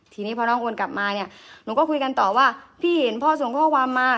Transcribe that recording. ทีนี้พอน้องโอนกลับมาเนี่ยหนูก็คุยกันต่อว่าพี่เห็นพ่อส่งข้อความมา